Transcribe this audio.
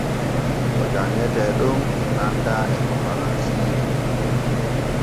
Ko janŋete ɗon nanda e ko faransire.